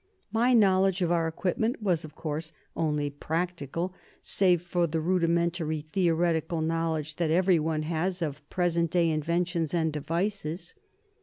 My knowledge of our equipment was, of course, only practical, save for the rudimentary theoretical knowledge that everyone has of present day inventions and devices.